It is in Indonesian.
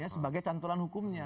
sebagai cantulan hukumnya